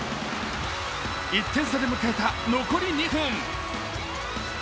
１点差で迎えた残り２分。